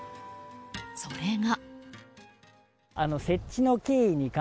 それが。